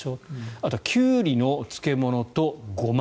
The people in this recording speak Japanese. あとはキュウリの漬物とゴマ